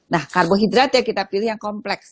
nah karbohidrat ya kita pilih yang kompleks